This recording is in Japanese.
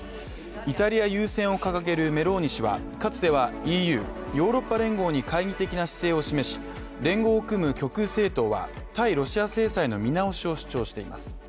イタリア優先を掲げるメローニ氏はかつてはＥＵ＝ヨーロッパ連合に懐疑的な姿勢を示し、連合を組む極右政党は、対ロシア制裁の見直しを主張しています。